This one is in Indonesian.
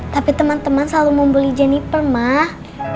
tapi teman teman selalu membeli jenniper mah